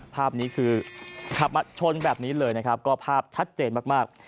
ภาพนี้คือขับมาชนแบบนี้เลยนะครับก็ภาพชัดเจนมาก